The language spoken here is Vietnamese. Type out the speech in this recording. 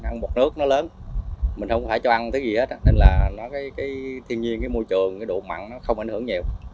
nước nước nó lớn mình không phải cho ăn thứ gì hết nên là thiên nhiên môi trường độ mặn nó không ảnh hưởng nhiều